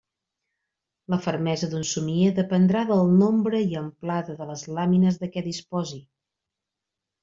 La fermesa d'un somier dependrà del nombre i amplada de les làmines de què disposi.